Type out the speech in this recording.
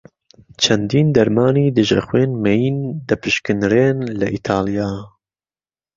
چەندین دەرمانی دژە خوێن مەین دەپشکنرێن لە ئیتاڵیا.